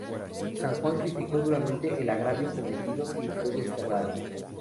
San Juan criticó duramente el agravio cometido y fue desterrado.